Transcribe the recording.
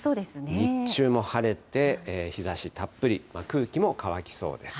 日中も晴れて、日ざしたっぷり、空気も乾きそうです。